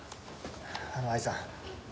あの藍さん